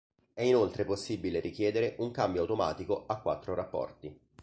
È inoltre possibile richiedere un cambio automatico a quattro rapporti.